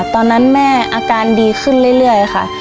ตอนนั้นแม่อาการดีขึ้นเรื่อยค่ะ